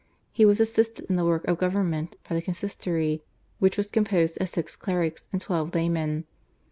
He was assisted in the work of government by the Consistory, which was composed of six clerics and twelve laymen.